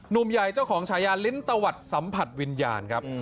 หนุ่มใหญ่เจ้าของฉายาลิ้นตะวัดสัมผัสวิญญาณครับ